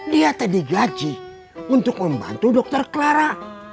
dia tadi gaji untuk membantu dokter clara